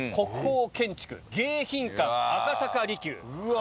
うわ。